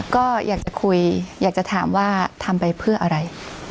ก็อยากจะคุยอยากจะถามว่าทำไปเพื่ออะไร